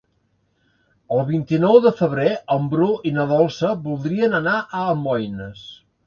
El vint-i-nou de febrer en Bru i na Dolça voldrien anar a Almoines.